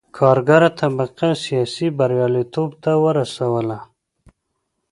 کارګره طبقه سیاسي بریالیتوب ته ورسوله.